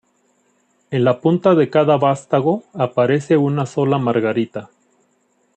En la punta de cada vástago aparece una sola margarita.